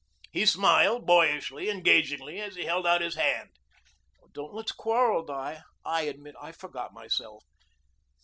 He smiled, boyishly, engagingly, as he held out his hand. "Don't let's quarrel, Di. I admit I forgot myself."